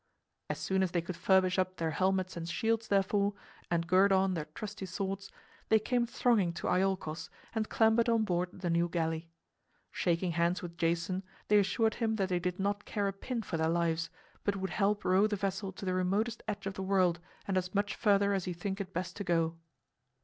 As soon as they could furbish up their helmets and shields, therefore, and gird on their trusty swords, they came thronging to Iolchos and clambered on board the new galley. Shaking hands with Jason, they assured him that they did not care a pin for their lives, but would help row the vessel to the remotest edge of the world and as much further as he might think it best to go.